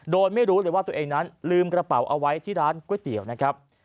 โดยไม่รู้เลยว่าตัวเองนั้นลืมกระเป๋าเอาไว้ที่ร้านก๋วยเตี๋ยวนะครับ